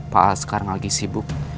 pak sekarang lagi sibuk